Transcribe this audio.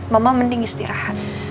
mama mending istirahat